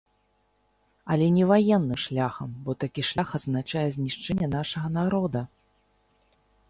Але не ваенным шляхам, бо такі шлях азначае знішчэнне нашага народа.